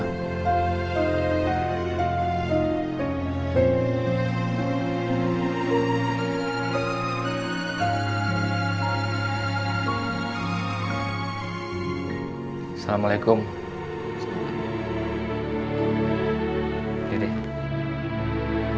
jadi sebenarnya emma itu nggak kebot